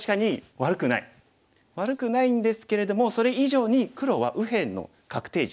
悪くないんですけれどもそれ以上に黒は右辺の確定地